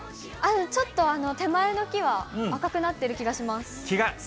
ちょっと手前の木は、赤くなってる気がします。